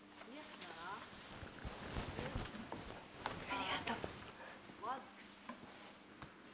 ありがとう。